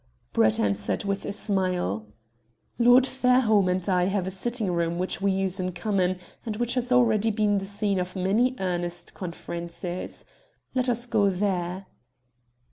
Brett answered with a smile: "Lord Fairholme and I have a sitting room which we use in common, and which has already been the scene of many earnest conferences. Let us go there."